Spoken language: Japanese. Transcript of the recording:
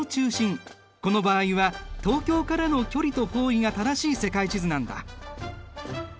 この場合は東京からの距離と方位が正しい世界地図なんだ。